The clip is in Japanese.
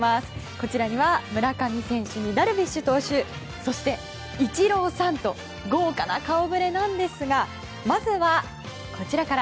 こちらには、村上選手にダルビッシュ投手そしてイチローさんと豪華な顔ぶれなんですがまずはこちらから。